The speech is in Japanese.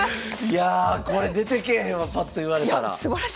いやこれ出てけえへんわパッと言われたら。